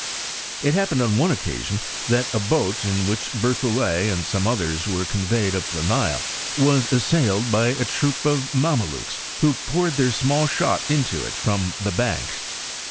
It happened on one occasion that a. boat, in which Berthollet and some others were con veyed up the Nile, was assailed by atroop of Mame lukes, who poured their small shot into it from the banks.